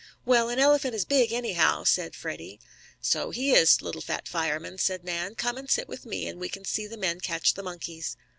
"Well, an elephant is big, anyhow," said Freddie. "So he is, little Fat Fireman," said Nan, "Come and sit with me, and we can see the men catch the monkeys."